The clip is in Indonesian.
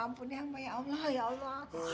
ampun ya sama ya allah ya allah